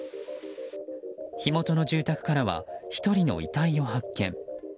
火元の住宅からは１人の遺体を発見。